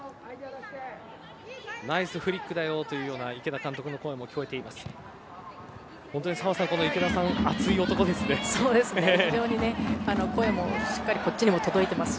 ナイスフリックだよという池田監督の声も聞こえています。